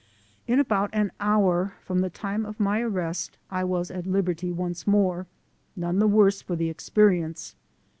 In about an hour from the time of my arrest I was at liberty once more, none the worse for the ex perience.